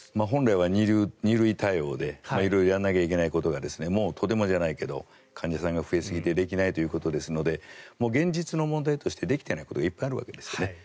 本来は２類対応で色々やらないといけないことがもうとてもじゃないけど患者さんが増えすぎてできないということですから現実の問題としてできていないことがいっぱいあるんですね。